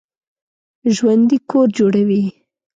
ژوندي کور جوړوي